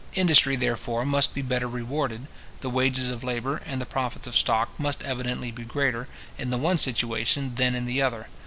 Industry, therefore, must be better rewarded, the wages of labour and the profits of stock must evidently be greater, in the one situation than in the other.